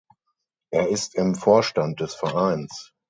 Er ist im Vorstand des Vereins.